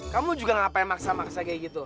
kamu juga ngapain maksa maksa kayak gitu